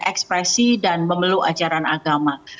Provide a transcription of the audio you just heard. dan ekspresi dan memeluk ajaran agama